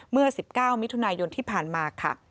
เมื่อ๑๙มิถุนายนที่ผ่านมาค่ะ